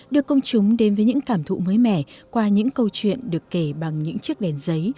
đưa công chúng đến với những cảm thụ mới mẻ qua những câu chuyện được kể bằng những chiếc đèn giấy